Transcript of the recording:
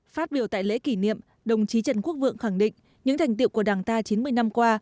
phát biểu tại lễ kỷ niệm đồng chí trần quốc vượng khẳng định những thành tiệu của đảng ta chín mươi năm qua